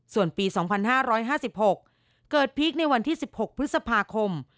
ส่วนปี๒๕๕๖เกิดพีคในวันที่๑๖พฤษภาคม